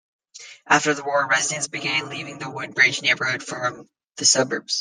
After the war, residents began leaving the Woodbridge neighborhood for the suburbs.